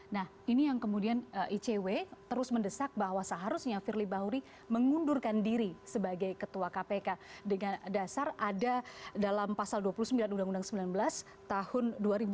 nah ini yang kemudian icw terus mendesak bahwa seharusnya firly bahuri mengundurkan diri sebagai ketua kpk dengan dasar ada dalam pasal dua puluh sembilan undang undang sembilan belas tahun dua ribu dua